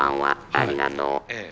ありがとう。